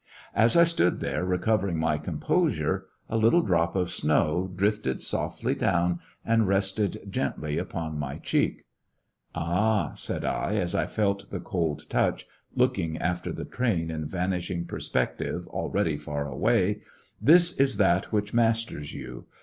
As I stood there recovering my composure, a little drop of snow drifted softly down and rested gently upon my cheek. And its master "Ah," said I, as I felt the cold touch, look ing after the train in vanishing perspective already fax away, "this is that which masters 96 'i^issionarY in tge Great West yon.''